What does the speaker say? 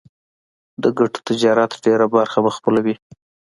د ګټور تجارت ډېره برخه به خپلوي.